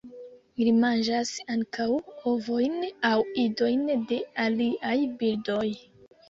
Ili manĝas ankaŭ ovojn aŭ idojn de aliaj birdoj.